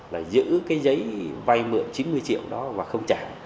là giữ cái giấy vay mượn chín mươi triệu đó và không trả